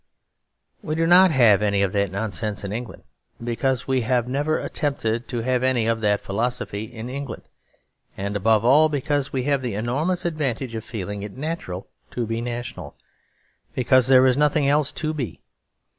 We do not have any of that nonsense in England because we have never attempted to have any of that philosophy in England. And, above all, because we have the enormous advantage of feeling it natural to be national, because there is nothing else to be.